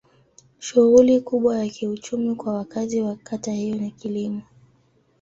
Shughuli kubwa ya kiuchumi kwa wakazi wa kata hiyo ni kilimo.